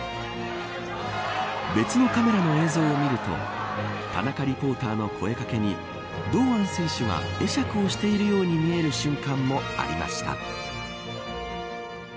別のカメラの映像を見ると田中リポーターの声掛けに堂安選手が会釈をしているように見える瞬間もありました。